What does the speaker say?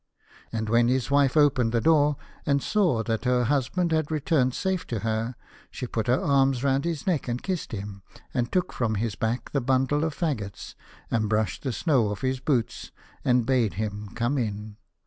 And when his wife opened the door and saw that her husband had returned safe to her, she put her arms round his neck and kissed him, and took from his back the bundle of faggots, and brushed the snow off his boots, and bade him come in.